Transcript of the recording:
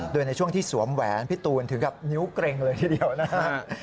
โดยในช่วงที่สวมแหวนพี่ตูนถึงกับนิ้วเกร็งเลยทีเดียวนะฮะ